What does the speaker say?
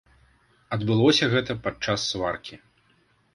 Адбылося гэта падчас сваркі.